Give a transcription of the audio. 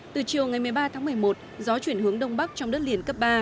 từ chiều ngày một mươi ba tháng một mươi một gió chuyển hướng đông bắc trong đất liền cấp ba